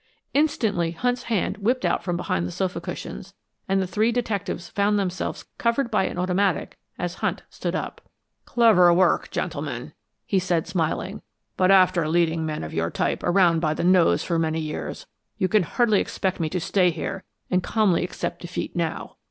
Instantly Hunt's hand whipped out from behind the sofa cushions, and the three detectives found themselves covered by an automatic as Hunt stood up. "Clever work, gentlemen," he said, smiling. "But after leading men of your type around by the nose for many years, you can hardly expect me to stay here and calmly accept defeat now."